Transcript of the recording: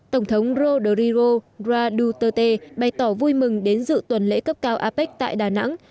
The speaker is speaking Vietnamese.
tổng thống rodriro raduterte bày tỏ vui mừng đến dự tuần lễ cấp cao apec tại đà nẵng